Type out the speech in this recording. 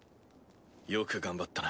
よく頑張ったな。